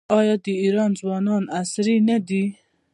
آیا د ایران ځوانان عصري نه دي؟